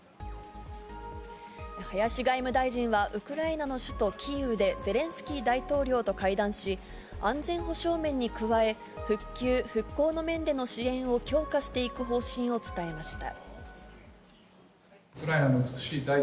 林外務大臣はウクライナの首都キーウでゼレンスキー大統領と会談し、安全保障面に加え、復旧・復興の面での支援を強化していく方針を伝えました。